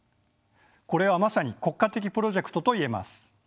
これはまさに国家的プロジェクトと言えます。